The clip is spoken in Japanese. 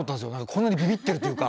こんなにびびってるというか。